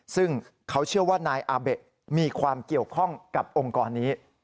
ซึ่งเขาเชื่อว่านายอาเบะมีความเกี่ยวข้องกับองค์กรนี้